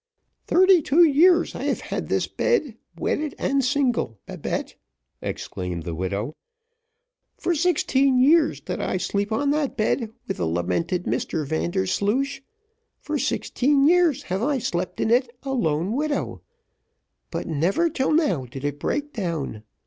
"Thirty two years have I had this bed, wedded and single, Babette!" exclaimed the widow. "For sixteen years did I sleep on that bed with the lamented Mr Vandersloosh for sixteen years have I slept in it, a lone widow but never till now did it break down.